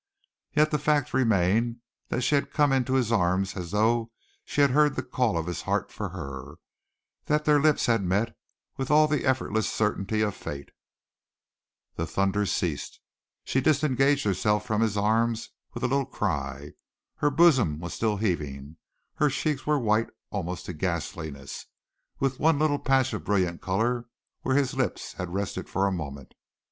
Yet the fact remained that she had come into his arms as though she had heard the call of his heart for her, that their lips had met with all the effortless certainty of fate. The thunder ceased. She disengaged herself from his arms with a little cry. Her bosom was still heaving, her cheeks were white almost to ghastliness, with one little patch of brilliant color where his lips had rested for a moment.